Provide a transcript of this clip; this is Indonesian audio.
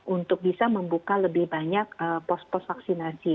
untuk bisa membuka lebih banyak pos pos vaksinasi